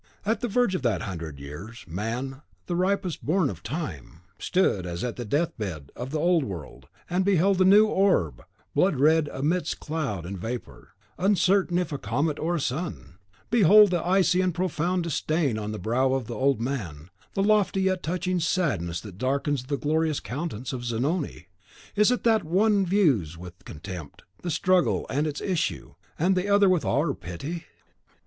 At the verge of that hundred years, Man, the ripest born of Time, ("An des Jahrhunderts Neige, Der reifste Sohn der Zeit." "Die Kunstler.") stood as at the deathbed of the Old World, and beheld the New Orb, blood red amidst cloud and vapour, uncertain if a comet or a sun. Behold the icy and profound disdain on the brow of the old man, the lofty yet touching sadness that darkens the glorious countenance of Zanoni. Is it that one views with contempt the struggle and its issue, and the other with awe or pity?